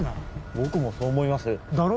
僕もそう思いますだろ？